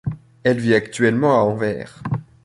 Elle vit actuellement à Anvers.